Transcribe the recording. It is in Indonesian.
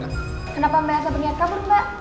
kenapa mbak elsa berniat kabur mbak